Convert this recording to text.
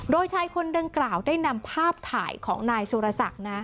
โดยชายคนดังกล่าวได้นำภาพถ่ายของนายสุรศักดิ์